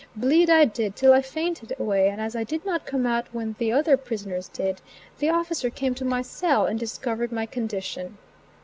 Bleed I did, till I fainted away, and as I did not come out when the other prisoners did, the officer came to my cell and discovered my condition.